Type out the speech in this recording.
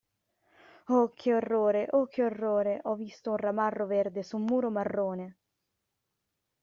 Oh, che orrore oh che orrore, ho visto un ramarro verde su un muro marrone.